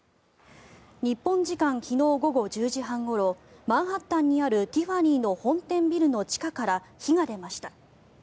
日本時間昨日午後１０時半ごろマンハッタンにあるティファニーの本店ビルの地下から火が出ました。